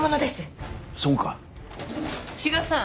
志賀さん